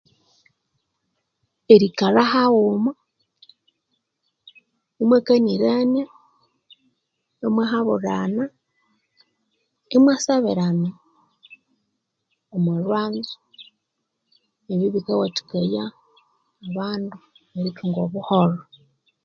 Erikalha haghuma, imwakanirania, imewahabulhana, imwasabirana, omwalhanzo ebyo bikawathikaya abandu erikalha buholho